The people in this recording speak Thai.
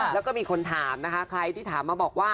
แล้วก็มีคนถามนะคะใครที่ถามมาบอกว่า